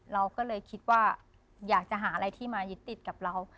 เราก็เลยคิดว่าอยากจะหาอะไรที่มายึดติดกับเรา